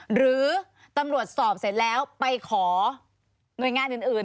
หรือตำรวจสอบเสร็จแล้วไปขอหน่วยงานอื่น